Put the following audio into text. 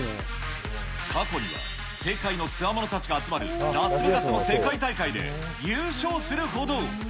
過去には、世界のつわものたちが集まるラスベガスの世界大会で優勝するほど。